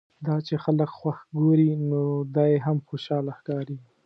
دا چې خلک خوښ ګوري نو دی هم خوشاله ښکاري.